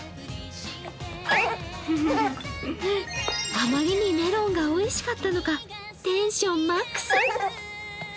あまりにメロンがおいしかったのかテンションマックス。